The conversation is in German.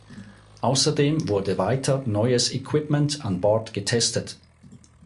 Außerdem wurde weiter neues Equipment an Bord getestet.